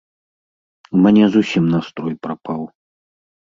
У мяне зусім настрой прапаў.